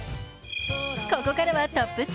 ここからはトップ３。